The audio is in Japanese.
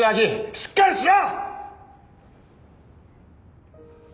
しっかりしろ！